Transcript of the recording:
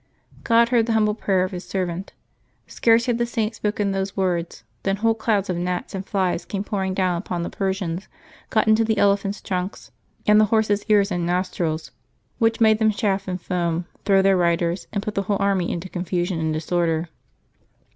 God heard the humble prayer of His servant. Scarce had the Saint spoken those words, when whole clouds of gnats and flies came pouring down upon the Persians, got into the elephants' trunks and the horses' ears and nostrils, which made them chafe and foam, throw their riders, and put the whole army into confusion and disorder.